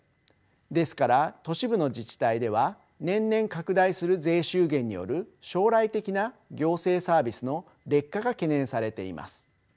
ですから都市部の自治体では年々拡大する税収減による将来的な行政サービスの劣化が懸念されています。